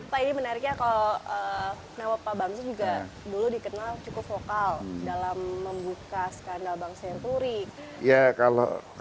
pak ini menariknya kalau nama pak bang z juga dulu dikenal cukup vokal dalam membuka skandal bank senturi